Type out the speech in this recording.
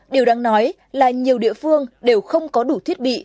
điều đáng nói là nhiều địa phương đều không có đủ thiết bị